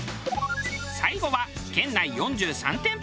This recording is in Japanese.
最後は県内４３店舗。